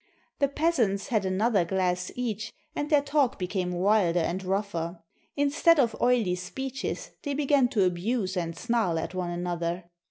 The peasants had another glass each, and their talk became wilder and rougher. Instead of oily speeches, they began to abuse and snarl at one another.